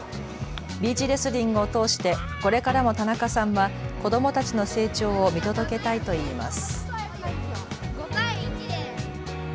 ビーチレスリングを通してこれからも田中さんは子どもたちの成長を見届けたいといいます。